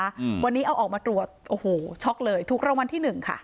อืมวันนี้เอาออกมาตรวจโอ้โหช็อกเลยถูกรางวัลที่หนึ่งค่ะ